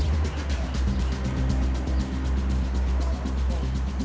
เมื่อเวลาที่สุดท้ายมันกลายเป้าหมายเป้าหมายเป็นสุดท้ายที่สุดท้าย